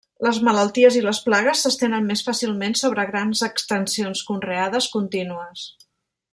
Les malalties i les plagues s'estenen més fàcilment sobre grans extensions conreades contínues.